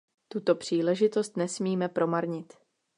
Tuto příležitost nesmíme promarnit.